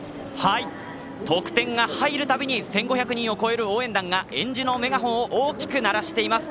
得点が入るたびに１５００人を超える応援団がえんじ色のメガホンを大きく鳴らしています。